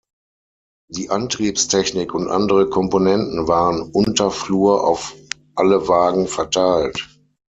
Die Antriebstechnik und andere Komponenten waren unterflur auf alle Wagen verteilt.